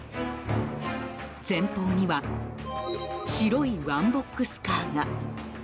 前方には白いワンボックスカーが。